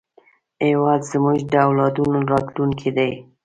هېواد زموږ د اولادونو راتلونکی دی